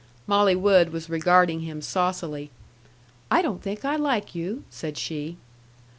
Molly Wood was regarding him saucily. "I don't think I like you," said she.